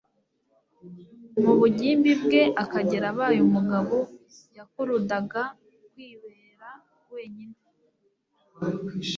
mu bugimbi bwe, ukagera abaye umugabo yakurudaga kwibera wenyine.